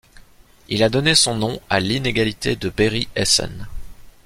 Il a donné son nom à l'Inégalité de Berry-Essen.